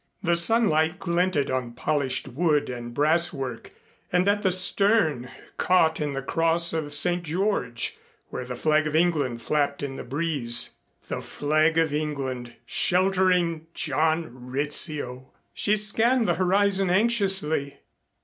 The sunlight glinted on polished wood and brasswork and at the stern caught in the cross of St. George where the flag of England flapped in the breeze. The flag of England sheltering John Rizzio! She scanned the horizon anxiously.